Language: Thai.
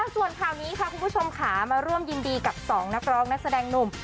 ส่วนข่าวนี้ค่ะคุณผู้ชมค่ะมาร่วมยินดีกับ๒นักร้องนักแสดงหนุ่ม